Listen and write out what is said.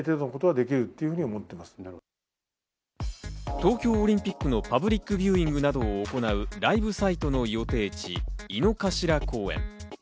東京オリンピックのパブリックビューイングなどを行うライブサイトの予定地、井の頭公園。